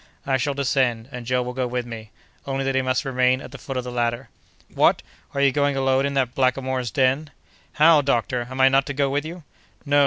I shall descend, and Joe will go with me, only that he must remain at the foot of the ladder." "What! are you going alone into that blackamoor's den?" "How! doctor, am I not to go with you?" "No!